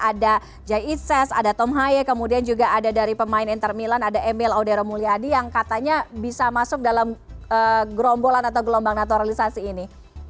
ada jay ises ada tomhaye kemudian juga ada dari pemain inter milan ada emil audero mulyadi yang katanya bisa masuk dalam gerombolan atau gelombang naturalisasi ini